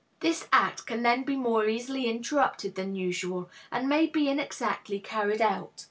This act can then be more easily interrupted than usual, and may be inexactly carried out.